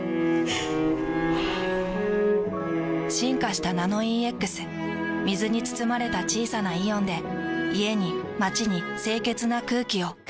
ふぅ進化した「ナノイーＸ」水に包まれた小さなイオンで家に街に清潔な空気を。